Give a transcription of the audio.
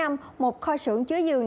một kho sưởng chứa dường